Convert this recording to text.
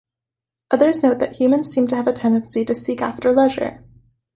Others note that humans seem to have a tendency to seek after leisure.